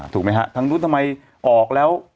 ถูกมั้ยฮะทั้งนู้นทำไมออกแล้ว